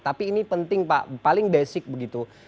tapi ini penting pak paling basic begitu